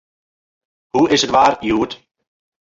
Hoe is it waar hjoed?